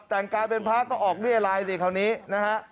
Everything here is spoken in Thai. แต่งกายเป็นพระก็ออกเรียรายสิคราวนี้นะฮะ